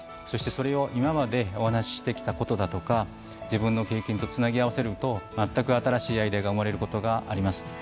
そしてそれを今までお話ししてきたことだとか自分の経験とつなぎ合わせるとまったく新しいアイデアが生まれることがあります。